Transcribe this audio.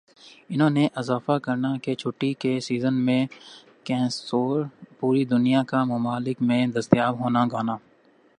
انہوں نے اضافہ کرنا کہ چھٹی کا سیزن میں کنسول پوری دنیا کا ممالک میں دستیاب ہونا گانا